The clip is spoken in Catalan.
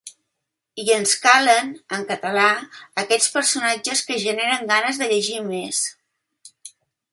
I ens calen, en català, aquests personatges que generen ganes de llegir més.